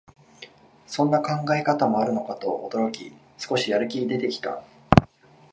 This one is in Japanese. そんな考え方もあるのかと驚き、少しやる気出てきた